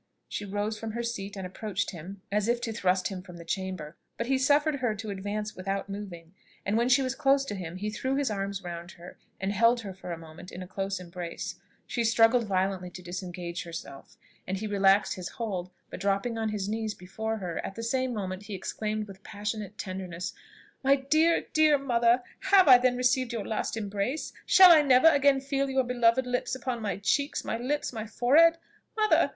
She rose from her seat and approached him, as if to thrust him from the chamber; but he suffered her to advance without moving, and when she was close to him, he threw his arms round her, and held her for a moment in a close embrace. She struggled violently to disengage herself, and he relaxed his hold; but, dropping on his knees before her, at the same moment he exclaimed with passionate tenderness, "My dear, dear mother! have I then received your last embrace? Shall I never again feel your beloved lips upon my cheeks, my lips, my forehead? Mother!